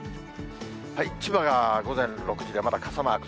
千葉が午前６時でまだ傘マーク。